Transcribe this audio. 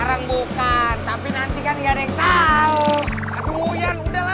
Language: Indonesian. ya cuma cepet ya see